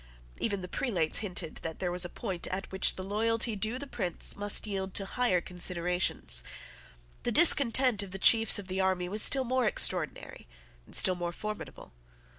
Even the prelates hinted that there was a point at which the loyalty due to the prince must yield to higher considerations. The discontent of the chiefs of the army was still more extraordinary and still more formidable.